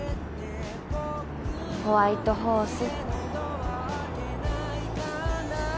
ホワイトホース。